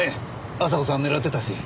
阿佐子さんを狙ってたし。